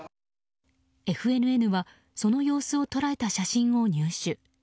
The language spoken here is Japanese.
ＦＮＮはその様子を捉えた写真を入手。